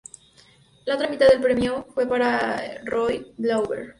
La otra mitad del premio fue para Roy J. Glauber.